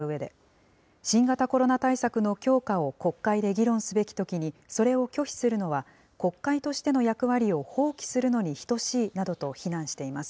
声明では、政府・与党の姿勢は明白な憲法違反だとしたうえで、新型コロナ対策の強化を国会で議論すべきときにそれを拒否するのは、国会としての役割を放棄するのに等しいなどと非難しています。